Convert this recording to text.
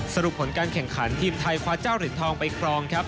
สรุปผลการแข่งขันทีมไทยคว้าเจ้าเหรียญทองไปครองครับ